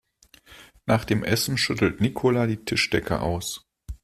Nach dem Essen schüttelt Nicola die Tischdecke aus.